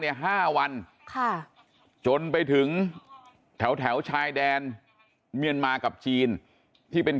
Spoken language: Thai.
๕วันค่ะจนไปถึงแถวแถวชายแดนเมียนมากับจีนที่เป็น